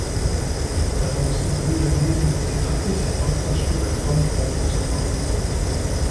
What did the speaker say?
Daraus wurde neben "Ich mag dich" auch das Stück "Traumfrau" ausgekoppelt.